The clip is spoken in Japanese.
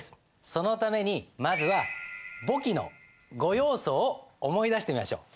そのためにまずは簿記の５要素を思い出してみましょう。